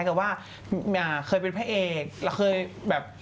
มาดังใหม่เคยเป็นพระเอกมาแล้ว